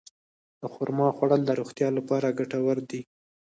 د خرما خوړل د روغتیا لپاره ګټور دي.